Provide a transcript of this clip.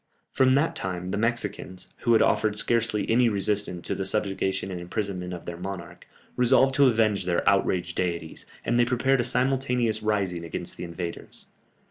From that time the Mexicans, who had offered scarcely any resistance to the subjugation and imprisonment of their monarch, resolved to avenge their outraged deities, and they prepared a simultaneous rising against the invaders.